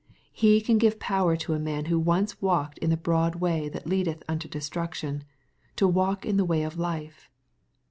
He can give power to a man who once walked in the broad way that leadeth unto destruction, to walk in the way of life.